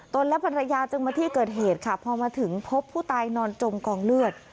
และภรรยาจึงมาที่เกิดเหตุค่ะพอมาถึงพบผู้ตายนอนจมกองเลือด